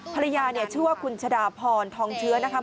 ภรรยาเนี่ยชื่อว่าคุณชะดาพรทองเชื้อนะคะ